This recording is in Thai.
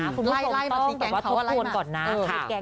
คุณพูดตรงต้องแต่ว่าทฤควณก่อนนะ